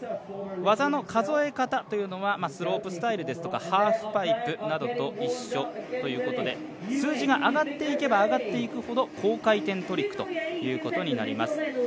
技の数え方はスロープスタイルですとかハーフパイプなどと一緒ということで数字が上がっていけば上がっていくほど高回転トリックということになります。